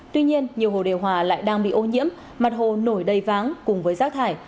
tuy nhiên nhiều hồ điều hòa lại đang bị ô nhiễm mặt hồ nổi đầy váng cùng với rác thải